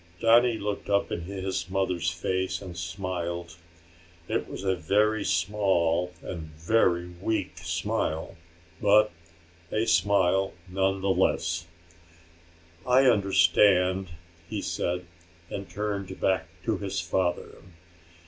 Johnny looked up into his mother's face and smiled. It was a very small and very weak smile, but a smile none the less. "I understand," he said, and turned back to his father.